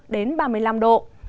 đến ba mươi năm độ